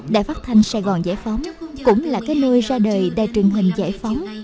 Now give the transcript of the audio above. đại phát thanh sài gòn giải phóng cũng là cái nơi ra đời đài truyền hình giải phóng